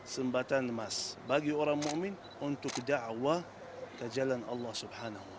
sembatan mas bagi orang mu'min untuk da'wah kejalan allah swt